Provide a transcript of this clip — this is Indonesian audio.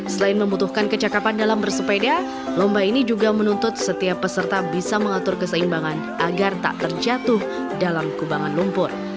selain membutuhkan kecakapan dalam bersepeda lomba ini juga menuntut setiap peserta bisa mengatur keseimbangan agar tak terjatuh dalam kubangan lumpur